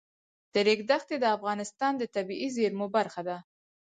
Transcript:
د ریګ دښتې د افغانستان د طبیعي زیرمو برخه ده.